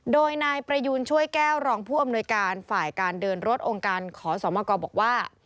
โดยนายประยูนช่วยแก้วรองผู้อำนวยการฝ่ายการเดินรถองค์การขอสมกบอกว่า